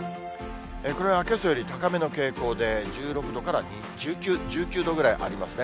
これはけさより高めの傾向で、１６度から１９度ぐらいありますね。